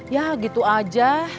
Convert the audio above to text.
ya gitu aja